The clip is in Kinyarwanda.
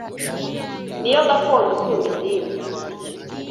niyo gakondo isumba izindi